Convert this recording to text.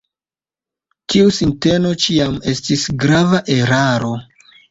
Tiu sinteno ĉiam estis grava eraro.